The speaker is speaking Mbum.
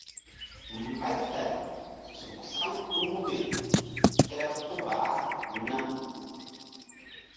Mbaytay suk saŋ ɗuh fe kerpuh baah na.